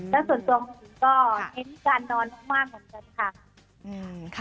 แต่ส่วนตัวผมก็เห็นการนอนมากเหมือนกันค่ะ